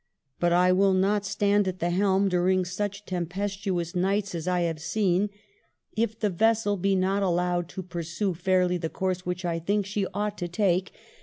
... But ... I will ,not stand at the helm during such tempestuous nights as I have seen, if the 1846] REPEAL OF THE CORN LAWS 175 vessel be not allowed to pui sue fairly the course which I think she ought to take.